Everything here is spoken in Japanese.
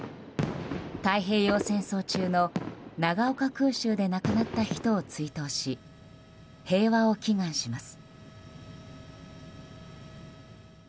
太平洋戦争中の長岡空襲で亡くなった人を追悼し平和を祈願します。